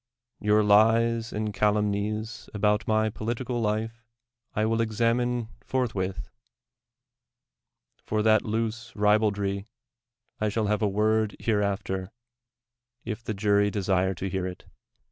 Your lies and calumnies about my polit ical life I will examine forthwith ; for that loose ribaldry I shall have a word hereafter, if the jury desire to hear it.